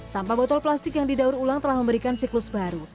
sampah botol plastik yang didaur ulang telah memberikan siklus baru